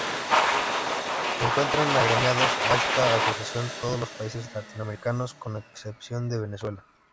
Se encuentran agremiados a esta asociación todos los países latinoamericanos, con excepción de Venezuela.